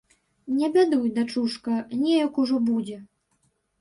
Не бядуй, дачушка, неяк ужо будзе.